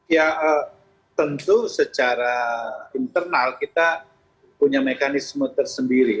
ya tentu secara internal kita punya mekanisme tersendiri